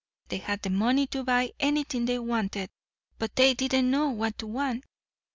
They had money to buy anything they wanted; but they didn't know what to want.